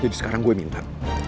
jadi sekarang gue minta